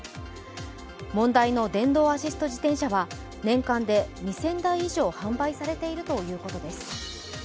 問題の電動アシスト自転車は年間で２０００台以上販売されているということです。